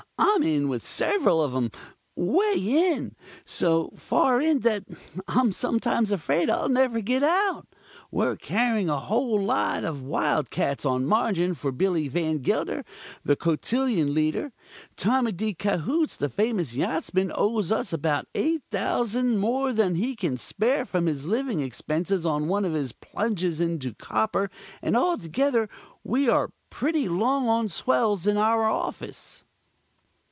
"I'm in with several of 'em way in. So far in that I'm sometimes afraid I'll never get out. We're carrying a whole lot of wild cats on margin for Billie Van Gelder, the cotillion leader; Tommy de Cahoots, the famous yachtsman, owes us about $8,000 more than he can spare from his living expenses on one of his plunges into Copper, and altogether we are pretty long on swells in our office."